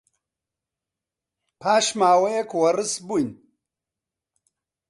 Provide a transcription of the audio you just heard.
پاش ماوەیەک وەڕەس بووین.